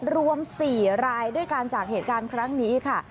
รวม๔รายด้วยกันจากเหตุการณ์ครั้งนี้ค่ะ